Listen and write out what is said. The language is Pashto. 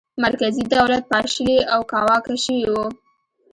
مرکزي دولت پاشلی او کاواکه شوی و.